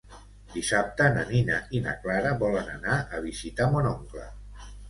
Dissabte na Nina i na Clara volen anar a visitar mon oncle.